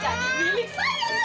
jadi milik saya